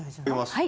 はい。